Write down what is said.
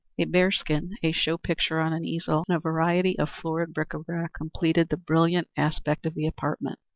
A bear skin, a show picture on an easel, and a variety of florid bric à brac completed the brilliant aspect of the apartment.